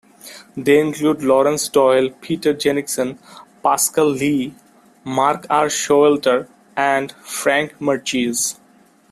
They include Laurance Doyle, Peter Jenniskens, Pascal Lee, Mark R. Showalter, and Franck Marchis.